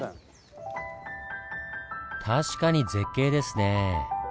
確かに絶景ですねぇ。